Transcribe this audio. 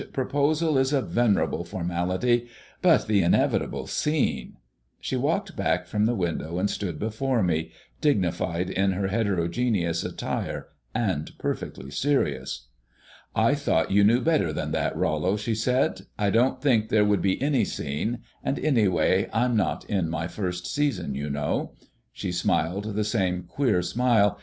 "Proposal is a venerable formality; but the inevitable scene " She walked back from the window and stood before me, dignified in her heterogeneous attire and perfectly serious. "I thought you knew better than that, Rollo," she said. "I don't think there would be any scene, and, anyway, I'm not in my first season, you know." She smiled the same queer smile.